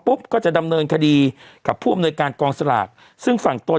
ก็จะดำเนินคดีกับผู้อำนวยการกองสลากซึ่งฝั่งตน